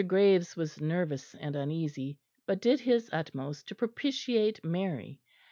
Graves was nervous and uneasy, but did his utmost to propitiate Mary.